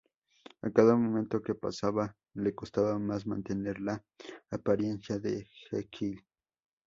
A cada momento que pasaba, le costaba más mantener la apariencia de Jekyll.